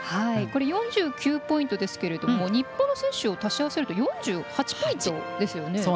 ４９ポイントですが日本の選手を足し合わせると４８ポイントですよね。